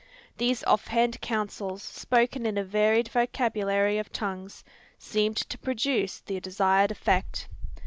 These off hand counsels, spoken in a varied vocabulary of tongues, seemed to produce the desired effect.